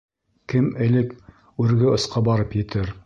-Кем элек үрге осҡа барып етер!..